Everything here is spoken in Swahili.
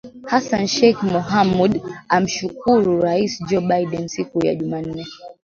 Hassan Sheikh Mohamud alimshukuru Rais Joe Biden siku ya Jumanne.